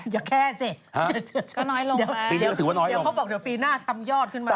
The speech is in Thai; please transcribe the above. อย่าแค่สิเดี๋ยวเขาบอกเดี๋ยวปีหน้าทำยอดขึ้นมา